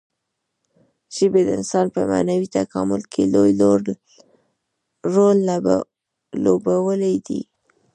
ژبې د انسان په معنوي تکامل کې لوی رول لوبولی دی.